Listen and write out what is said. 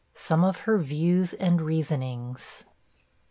SOME OF HER VIEWS AND REASONINGS.